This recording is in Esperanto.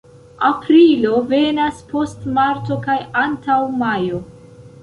Aprilo venas post marto kaj antaŭ majo.